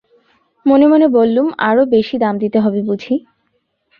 মনে মনে বললুম, আরও বেশি দাম দিতে হবে বুঝি।